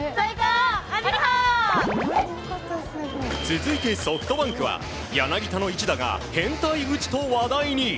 続いてソフトバンクは柳田の一打が変態打ちと話題に。